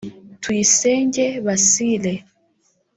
Tuyisenge Basile